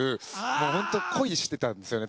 もう本当恋してたんですよね